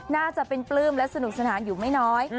น่าจะเป็นปลื้มและสนุกสนานอยู่ไม่น้อย